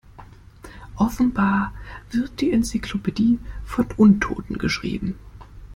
Offenbar wird die Enzyklopädie von Untoten geschrieben.